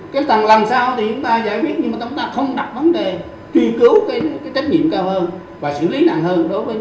cái tầng làm sao thì chúng ta giải quyết nhưng mà chúng ta không đặt vấn đề